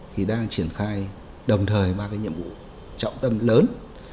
thì đang triển khai đồng thời ba cái nhiệm vụ trọng tâm lớn